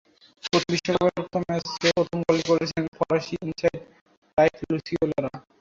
প্রথম বিশ্বকাপের প্রথম ম্যাচে প্রথম গোলটি করেছিলেন ফরাসি ইনসাইড রাইট লুসিয়ে লঁরা।